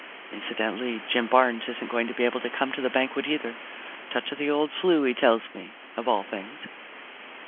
Incidentally, Jim Barnes isn't going to be able to come to the banquet either touch of the old 'flu, he tells me, of all things."